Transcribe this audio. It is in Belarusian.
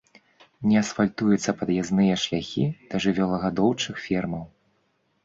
Не асфальтуюцца пад'язныя шляхі да жывёлагадоўчых фермаў.